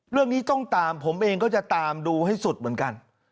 เรื่องนี้ต้องตามผมเองก็จะตามดูให้สุดเหมือนกัน